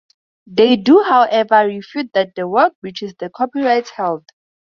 They do, however, refute that the work breaches the copyrights held.